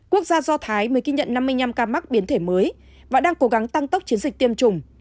quốc gia do thái mới ghi nhận năm mươi năm ca mắc biến thể mới và đang cố gắng tăng tốc chiến dịch tiêm chủng